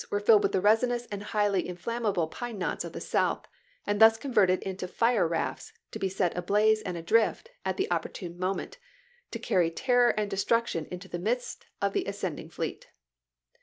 were filled with the resinous and highly inflammable pine knots of the South, and thus converted into fire rafts to be set ablaze and adrift at the oppor tune moment, to carry terror and destruction into the midst of the ascending fleet.